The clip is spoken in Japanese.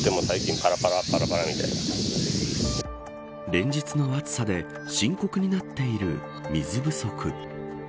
連日の暑さで深刻になっている水不足。